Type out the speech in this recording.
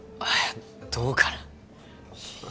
どうかな。